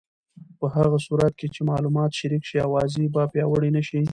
په هغه صورت کې چې معلومات شریک شي، اوازې به پیاوړې نه شي.